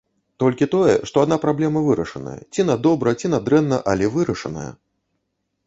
Толькі тое, што адна праблема вырашаная, ці на добра, ці на дрэнна, але вырашаная!